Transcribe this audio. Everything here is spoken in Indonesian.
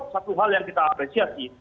satu hal yang kita apresiasi